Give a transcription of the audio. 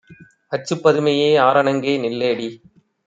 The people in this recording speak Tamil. "அச்சுப் பதுமையே! ஆரணங்கே! நில்லேடி!